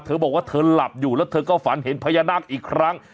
เธอบอกว่าเธอหลับอยู่แล้วเธอก็ฝันเห็นพญานาคอีกครั้ง